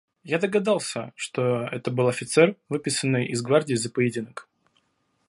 Я догадался, что это был офицер, выписанный из гвардии за поединок.